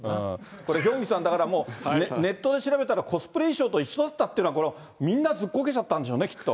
これ、ヒョンギさん、だからネットで調べたらコスプレ衣装と一緒だったって、みんな、ずっこけちゃったんですよね、きっと。